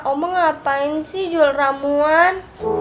omong ngapain sih jual ramuan